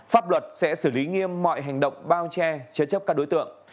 pháp luật sẽ xử lý nghiêm mọi hành động bao che chế chấp các đối tượng